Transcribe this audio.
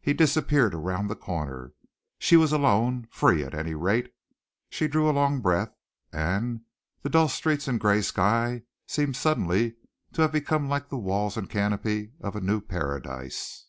He disappeared around the corner. She was alone free, at any rate! She drew a long breath, and the dull streets and gray sky seemed suddenly to have become like the walls and canopy of a new paradise.